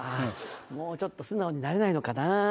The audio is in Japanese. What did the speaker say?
もうちょっと素直になれないのかなぁ。